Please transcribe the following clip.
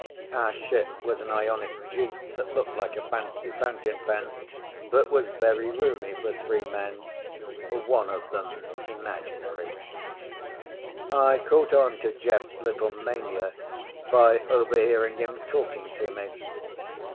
Our ship was an ionic jeep that looked like a fancy fountain pen, but was very roomy for three men—one of them imaginary. I caught on to Jeff's little mania by overhearing him talking to me.